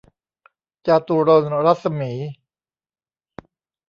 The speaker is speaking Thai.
จาตุรนต์รัศมี